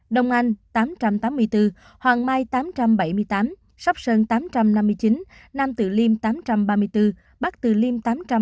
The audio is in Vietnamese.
đồng anh tám trăm tám mươi bốn hoàng mai tám trăm bảy mươi tám sóc sơn tám trăm năm mươi chín nam tự liêm tám trăm ba mươi bốn bắc tự liêm tám trăm hai mươi chín